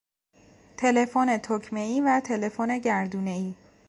تلفن تکمهای و تلفن گردونهای